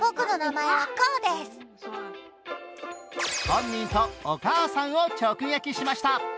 本人とお母さんを直撃しました。